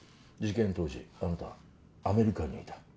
事件当時あなたはアメリカにいた。